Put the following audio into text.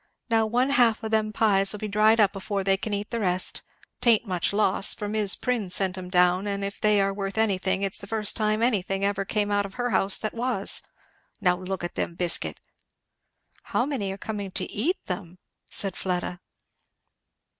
Now one half o' them pies'll be dried up afore they can eat the rest; 'tain't much loss, for Mis' Prin sent 'em down, and if they are worth anything it's the first time anything ever come out of her house that was. Now look at them biscuit!" "How many are coming to eat them?" said Fleda.